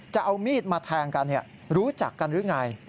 จะเอามีดมาแทงกันรู้จักกันหรือไง